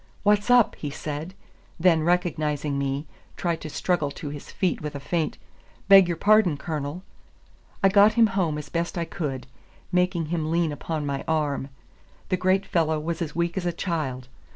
"What's up?" he said; then recognizing me, tried to struggle to his feet with a faint "Beg your pardon, Colonel." I got him home as best I could, making him lean upon my arm. The great fellow was as weak as a child.